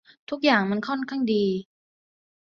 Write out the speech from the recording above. ทุกอย่างมันค่อนข้างดี